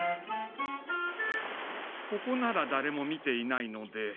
ここならだれも見ていないので。